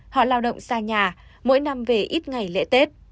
họ lao động xa nhà mỗi năm về ít ngày lễ tết